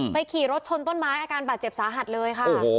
ขี่รถชนต้นไม้อาการบาดเจ็บสาหัสเลยค่ะ